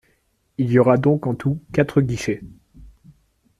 Il y aura donc en tout quatre guichets.